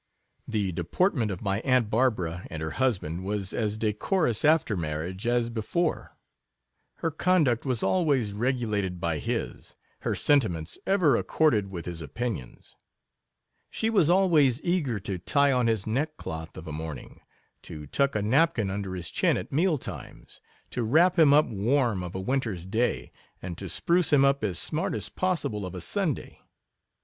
The deportment of my aunt Barbara and her husband was as decorous after marriage as before; her conduct was always regulated by his — her sentiments ever accorded with his opinions; she was always eager to tie on his neckcloth of a morning — to tuck a napkin under his chin at meal times — to wrap him up warm of a winter's day, and to spruce him up as smart as possible of a Sunday.